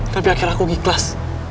tapi akhirnya aku ikhlas